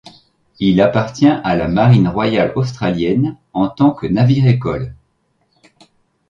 Il appartient à la Marine royale australienne en tant que navire-école.